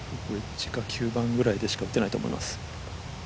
９番ぐらいでしか打てないと思います。